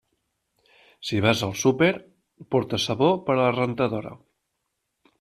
Si vas al súper, porta sabó per a la rentadora.